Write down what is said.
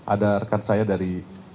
ada rekan saya dari